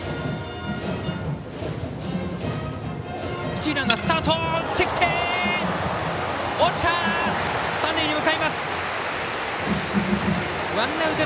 一塁ランナー、スタート。